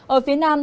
ở phía nam